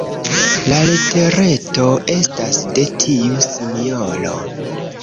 La letereto estas de tiu sinjoro.